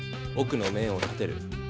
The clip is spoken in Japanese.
奥の面を立てる。